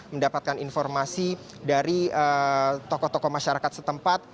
mendapatkan informasi dari tokoh tokoh masyarakat setempat